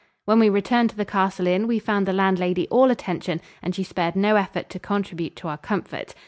When we returned to the Castle Inn, we found the landlady all attention and she spared no effort to contribute to our comfort.